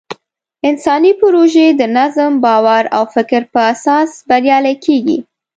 انساني پروژې د نظم، باور او فکر په اساس بریالۍ کېږي.